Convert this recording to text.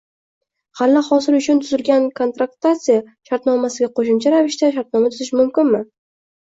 G’alla hosili uchun tuzilgan kontraktatsiya shartnomasiga qo’shimcha ravishda shartnoma tuzish mumkinmi?